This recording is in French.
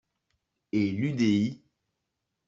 Et l’UDI